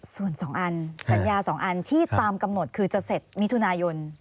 ส่วน๒อันสัญญา๒อันที่ตามกำหนดคือจะเสร็จมิถุนายน